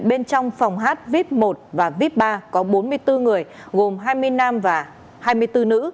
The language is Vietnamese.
bên trong phòng hát vít một và vip ba có bốn mươi bốn người gồm hai mươi nam và hai mươi bốn nữ